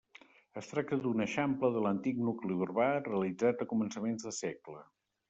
Es tracta d'un eixample de l'antic nucli urbà, realitzat a començaments de segle.